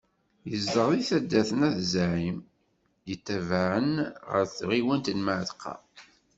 Yezdeɣ deg taddart n At Zεim, yetabaεen ɣer tɣiwant n Mεatqa.